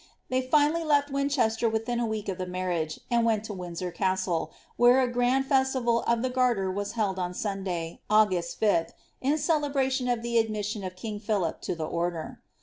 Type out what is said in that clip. They finally left Winchester within a week of the marriage, and went to Windsor Castle, where a grand festival of the Garter was held on Sunday, August 5th, in celebra tion of the admission of king Philip to the order.